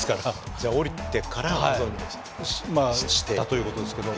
じゃあ降りてから知ったという事ですけれども。